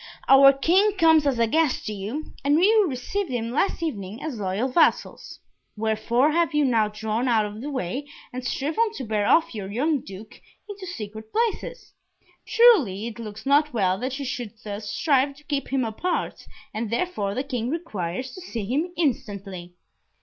"Our King comes as a guest to you, and you received him last evening as loyal vassals. Wherefore have you now drawn out of the way, and striven to bear off your young Duke into secret places? Truly it looks not well that you should thus strive to keep him apart, and therefore the King requires to see him instantly."